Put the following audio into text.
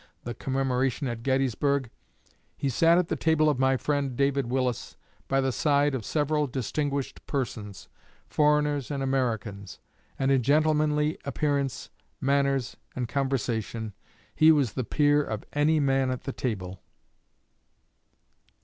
the Commemoration at Gettysburg, he sat at the table of my friend David Willis, by the side of several distinguished persons, foreigners and Americans; and in gentlemanly appearance, manners, and conversation, he was the peer of any man at the table."